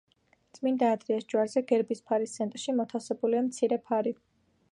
წმიდა ანდრიას ჯვარზე, გერბის ფარის ცენტრში, მოთავსებულია მცირე ფარი.